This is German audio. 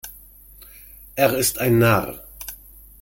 Er ist ein Narr.